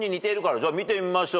じゃあ見てみましょう。